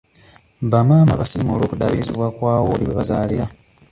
Ba maama basiimu olw'okuddabirizibwa kwa woodi webazaalira.